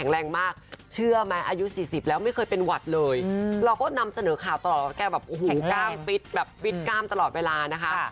เราก็นำเสนอข่าวตลอดแกแบบแหงก้ามปิ๊ดแบบปิ๊ดก้ามตลอดเวลานะคะ